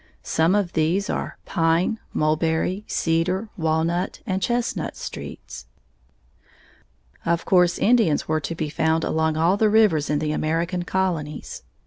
Some of these are Pine, Mulberry, Cedar, Walnut, and Chestnut streets. Of course Indians were to be found along all the rivers in the American colonies.